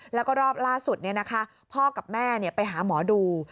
แล้วก็รอบล่าสุดพ่อกับแม่ไปหาหมอดู